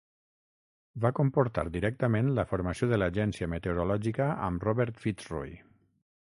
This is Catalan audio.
Va comportar directament la formació de l'agència meteorològica amb Robert Fitzroy.